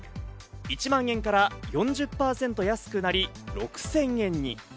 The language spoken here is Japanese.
１万円から４０％安くなり、６０００円に。